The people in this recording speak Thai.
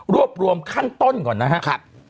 รวมขั้นต้นก่อนนะครับ